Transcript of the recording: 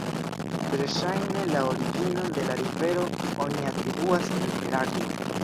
Verŝajne, la originon de la rivero oni atribuas al Heraklo.